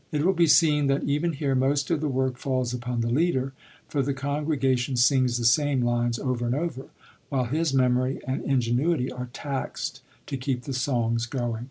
It will be seen that even here most of the work falls upon the leader, for the congregation sings the same lines over and over, while his memory and ingenuity are taxed to keep the songs going.